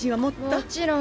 もちろん。